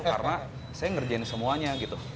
karena saya ngerjain semuanya gitu